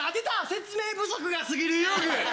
「説明不足がすぎる遊具」。